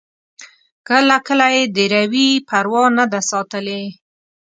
کله کله یې د روي پروا نه ده ساتلې.